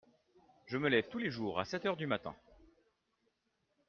je me lève tous les jours à sept heures du matin.